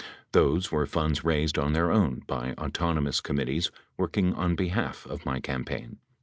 Those were funds raised on their own by autonomous commit tees working on behalf of my campaign.